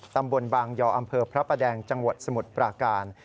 ตำบลบางยออำเภอพระประแดงจังหวัดสมุทรปราการ